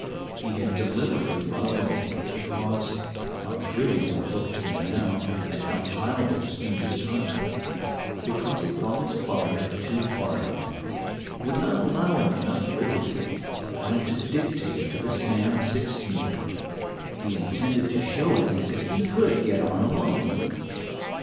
He had deliberately run away, because how trivial it looked to him now, and how childish seemed his conduct because he thought his father too hard on him; would not allow him enough liberty; wanted to dictate to this man of sixteen; he intended to show him that he could get on alone.